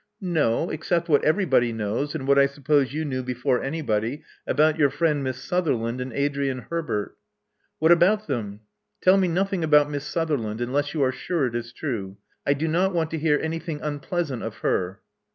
No. Except what everybody knows, and what I suppose you knew before anybody — about your friend Miss Sutherland and Adrian Herbert." What about them? TelLme nothing about Miss Sutherland tmless you are sure it is true. I do not want to hear anything unpleasant of her."